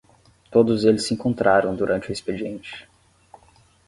Todos eles se encontraram durante o expediente.